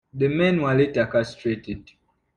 The men were later castrated.